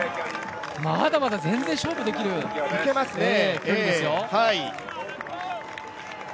まだまだ全然勝負できる距離ですよ。